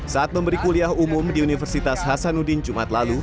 saat memberi kuliah umum di universitas hasanuddin jumat lalu